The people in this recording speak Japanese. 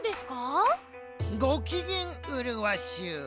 ごきげんうるわしゅう。